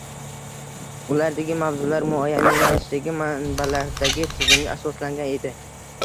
ulardagi mavzular muayyan yo‘nalishdagi manbalardagi tizimga asoslangan edi.